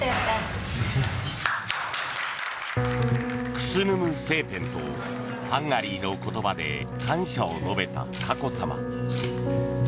クスヌムセーペンとハンガリーの言葉で感謝を述べた佳子さま。